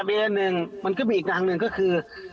อีกหนึ่งอีกหนังหนึ่งคือ